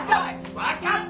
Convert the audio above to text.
分かった！